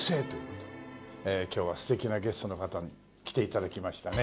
今日は素敵なゲストの方に来て頂きましたね。